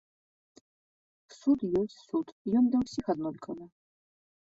Суд ёсць суд, ён для ўсіх аднолькавы.